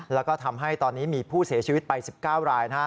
แล้วก็ทำให้ตอนนี้มีผู้เสียชีวิตไป๑๙ราย